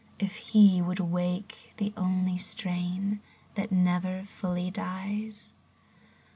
If he would wake the only strain That never fully dies